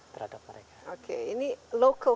terhadap mereka oke ini local